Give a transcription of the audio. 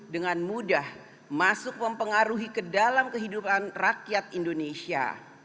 dengan mudah masuk mempengaruhi ke dalam kehidupan rakyat indonesia